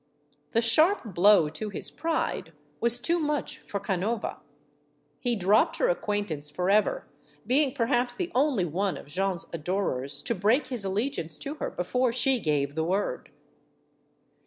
The sharp blow to his pride was too much for Can ova. He dropped her acquaintance forever; being perhaps the only one of Jeanne's adorers to break his allegiance to her before she gave the word.